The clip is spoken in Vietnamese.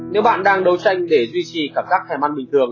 nếu bạn đang đấu tranh để duy trì cảm giác thèm ăn bình thường